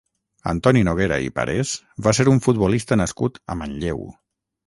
Antoni Noguera i Parés va ser un futbolista nascut a Manlleu.